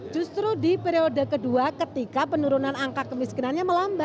justru di periode kedua ketika penurunan angka kemiskinannya melambat